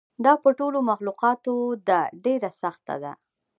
دا په ټولو مخلوقاتو ده ډېره سخته ده.